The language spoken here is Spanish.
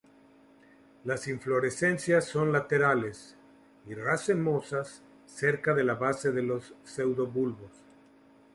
Las inflorescencia son laterales y racemosas cerca de la base de los pseudobulbos.